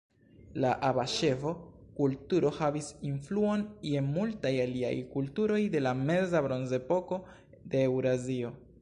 La abaŝevo-kulturo havis influon je multaj aliaj kulturoj de la Meza Bronzepoko de Eŭrazio.